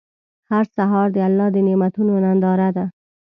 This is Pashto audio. هر سهار د الله د نعمتونو ننداره ده.